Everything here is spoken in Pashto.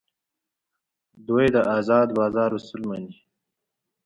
دوی د ازاد بازار اصول مني.